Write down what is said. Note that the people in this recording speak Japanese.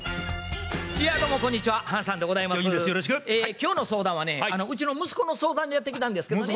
今日の相談はねうちの息子の相談でやって来たんですけどね。